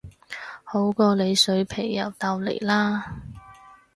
好過你水皮又豆泥啦